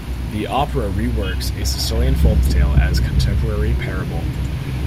The opera reworks a Sicilian folktale as a contemporary parable.